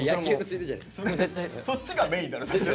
そっちがメインだろ。